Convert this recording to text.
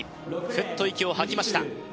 ふっと息を吐きました